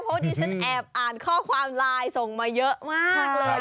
เพราะดิฉันแอบอ่านข้อความไลน์ส่งมาเยอะมากเลย